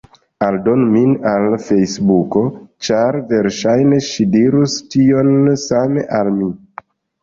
Aldonu min al Fejsbuko! ĉar verŝajne ŝi dirus tion same, al mi.